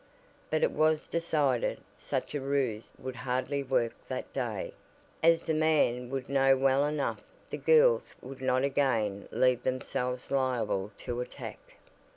But it was decided such a ruse would hardly work that day, as the man would know well enough the girls would not again leave themselves liable to attack.